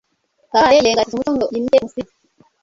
Kabare yirengagiza umuco ngo yimike Musinga